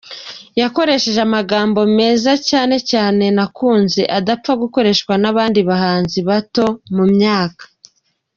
Yakoresheje amagambo meza cyane cyane nakunze adapfa gukoreshwa n’abandi bahanzi bato mu myaka.